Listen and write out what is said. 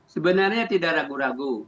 sebenarnya tidak ragu ragu